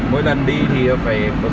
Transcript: mỗi lần đi thì phải có giấy tờ